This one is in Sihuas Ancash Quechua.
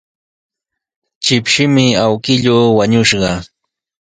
Shipshimi awkilluu wañushqa.